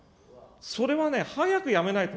それはね、早くやめないと。